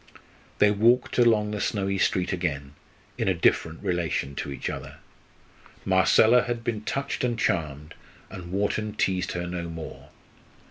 They walked along the snowy street again, in a different relation to each other. Marcella had been touched and charmed, and Wharton teased her no more.